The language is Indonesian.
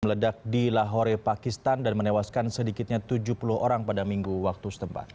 meledak di lahore pakistan dan menewaskan sedikitnya tujuh puluh orang pada minggu waktu setempat